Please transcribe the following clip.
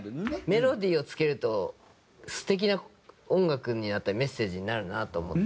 メロディーを付けると素敵な音楽になったりメッセージになるなと思って。